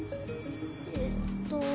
えっと。